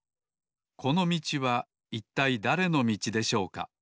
このみちはいったいだれのみちでしょうか？